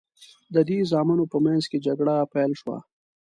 د دې زامنو په منځ کې جګړه پیل شوه.